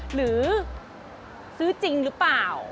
หรือซื้อจริงหรือเปล่า